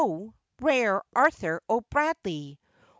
rare Arthur O'Bradley!